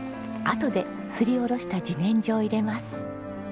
あとですりおろした自然薯を入れます。